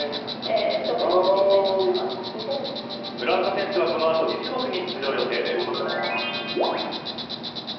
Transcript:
村岡選手はこのあと２種目に出場予定です。